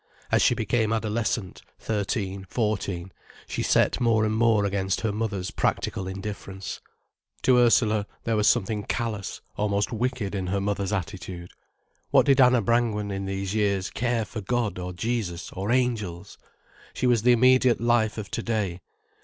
As she became adolescent, thirteen, fourteen, she set more and more against her mother's practical indifference. To Ursula, there was something callous, almost wicked in her mother's attitude. What did Anna Brangwen, in these years, care for God or Jesus or Angels? She was the immediate life of to day.